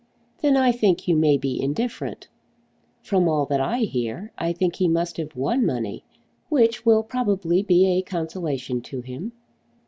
"Then I think you may be indifferent. From all that I hear I think he must have won money, which will probably be a consolation to him."